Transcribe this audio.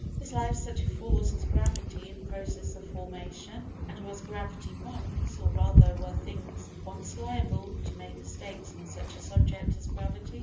Is life such a force as gravity in process of formation, and was gravity once—or rather, were things once liable to make mistakes on such a subject as gravity?